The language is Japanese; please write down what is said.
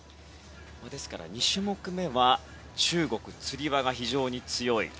ですから２種目めは中国、つり輪が非常に強い。